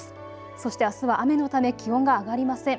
そしてあすは雨のため気温が上がりません。